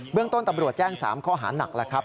เรื่องต้นตำรวจแจ้ง๓ข้อหาหนักแล้วครับ